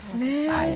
はい。